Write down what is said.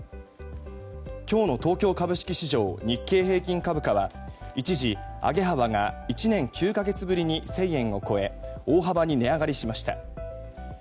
今日の東京株式市場日経平均株価は一時、上げ幅が１年９か月ぶりに１０００円を超え大幅に値上がりしました。